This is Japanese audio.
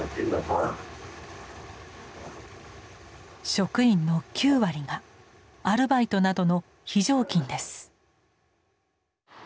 職員の９割がアルバイトなどの非常勤です。